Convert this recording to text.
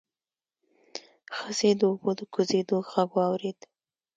ښځې د اوبو د کوزېدو غږ واورېد.